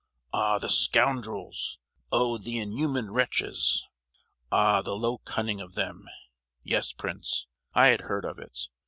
Ah, the scoundrels! oh, the inhuman wretches! Ah, the low cunning of them! Yes, Prince; I had heard of it.